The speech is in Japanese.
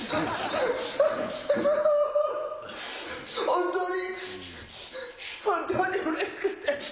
本当に本当にうれしくて。